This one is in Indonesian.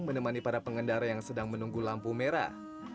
menemani para pengendara yang sedang menunggu lampu merah